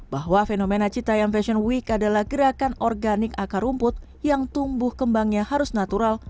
bahwa fenomena citayam fashion week adalah gerakan organik akar rumput yang tumbuh kembangnya harus natural